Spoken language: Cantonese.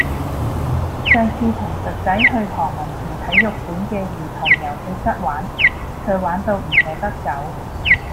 上次同侄仔去何文田體育館嘅兒童遊戲室玩，佢玩到唔捨得走。